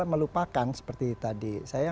melupakan seperti tadi saya